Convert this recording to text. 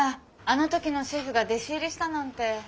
あの時のシェフが弟子入りしたなんて。